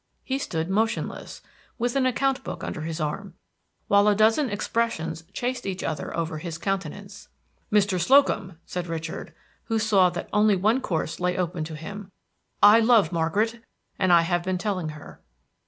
He stood motionless, with an account book under his arm, while a dozen expressions chased each other over his countenance. "Mr. Slocum," said Richard, who saw that only one course lay open to him, "I love Margaret, and I have been telling her."